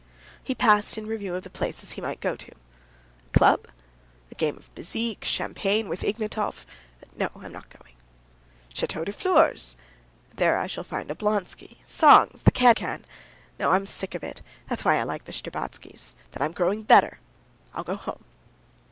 He passed in review of the places he might go to. "Club? a game of bezique, champagne with Ignatov? No, I'm not going. Château des Fleurs; there I shall find Oblonsky, songs, the cancan. No, I'm sick of it. That's why I like the Shtcherbatskys', that I'm growing better. I'll go home."